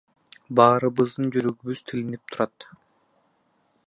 Баарыбыздын жүрөгүбүз тилинип турат.